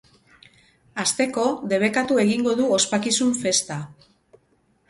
Hasteko, debekatu egingo du ospakizun festa.